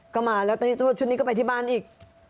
ก็มาแล้วชุดนี้ก็ไปที่บ้านอีก